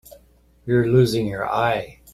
You're losing your eye.